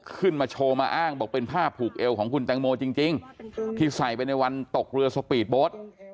ขึ้นมาโชว์มาอ้างบอกเป็นผ้าผูกเอวของคุณแตงโมจริงที่ใส่ไปในวันตกเรือสปีดโบสต์